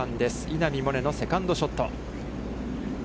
稲見萌寧のセカンドショット。